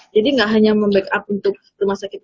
jadi gak hanya membackup untuk rumah sakit